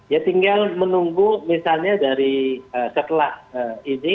ya tinggal menunggu misalnya dari setelah ini